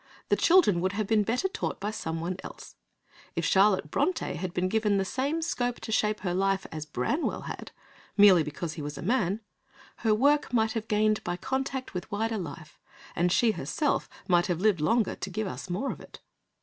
The children would have been better taught by someone else. If Charlotte Brontë had been given the same scope to shape her life as Branwell had—merely because he was a man—her work might have gained by contact with wider life, and she herself might have lived longer to give us more of it.